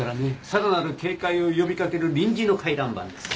さらなる警戒を呼びかける臨時の回覧板です。